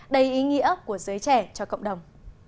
đầy ý nghĩa của giới trẻ cho cộng đồng